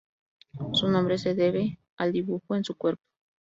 Su nombre se debe al dibujo en su cuerpo.